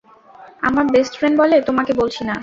আমার best friend বলে তোমাকে বলছি না।